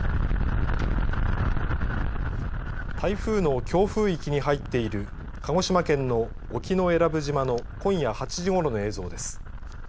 台風の強風域に入っている鹿児島県の沖永良部島の今夜８時ごろの映像です。